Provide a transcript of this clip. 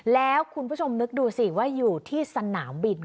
แล้วคุณผู้ชมนึกดูสิว่าอยู่ที่สนามบิน